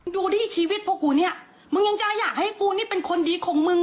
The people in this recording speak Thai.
ดูดิชีวิตพวกกูเนี่ยมึงยังจะอยากให้กูนี่เป็นคนดีของมึง